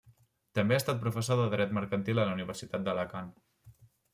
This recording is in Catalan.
També ha estat professor de dret mercantil a la Universitat d'Alacant.